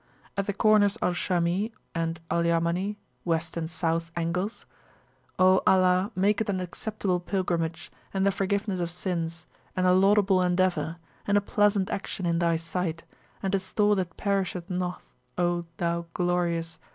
RESUME [p.288]At the corners Al Shami and Al Yamani (West and South angles): O Allah, make it an Acceptable Pilgrimage, and the Forgiveness of Sins, and a Laudable Endeavour, and a Pleasant Action in Thy Sight, and a Store that perisheth not, O Thou Glorious!